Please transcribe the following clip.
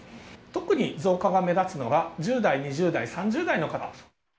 特に増加が目立つのは、１０代、２０代、３０代の方。